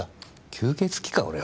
吸血鬼か俺は。